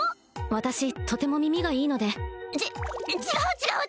私とても耳がいいのでち違う